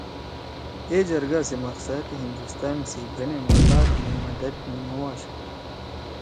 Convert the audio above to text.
اے جرگہ سی مقصد ہندوستان سی گھنے ما لات می مدد نیِمؤ آشُو